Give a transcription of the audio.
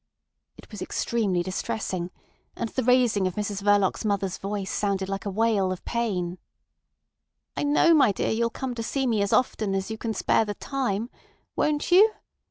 It was extremely distressing; and the raising of Mrs Verloc's mother's voice sounded like a wail of pain. "I know, my dear, you'll come to see me as often as you can spare the time. Won't you?"